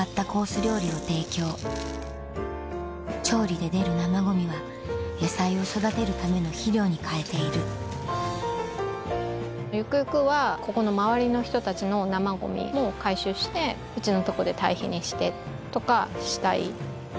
料理を提供調理で出る生ゴミは野菜を育てるための肥料に変えているゆくゆくはここの周りの人たちの生ゴミも回収してうちのとこで堆肥にしてとかしたい。